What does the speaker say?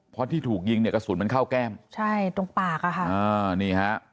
เพราะที่ถูกยิงกระสุนมันเข้าแก้มใช่ตรงปากค่ะ